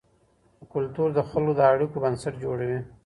کلتور د خلکو د اړیکو بنسټ جوړوي.